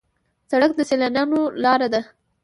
سړک د سیلانیانو لاره ده.